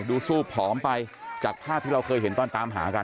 สู้ผอมไปจากภาพที่เราเคยเห็นตอนตามหากัน